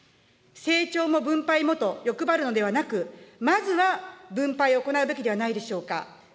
成長も分配もと欲張るのではなく、まずは、分配を行うべきではないでしょうか。